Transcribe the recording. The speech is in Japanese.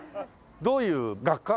どういう学科？